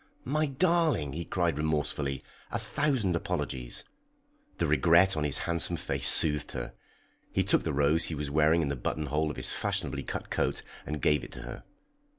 "My darling!" he cried remorsefully. "A thousand apologies." The regret on his handsome face soothed her. He took the rose he was wearing in the buttonhole of his fashionably cut coat and gave it to her.